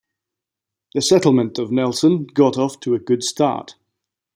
The settlement of Nelson got off to a good start.